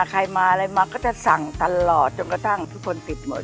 ใครมาอะไรมาก็จะสั่งตลอดจนกระทั่งทุกคนปิดหมด